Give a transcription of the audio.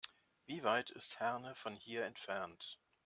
Wie weit ist Herne von hier entfernt?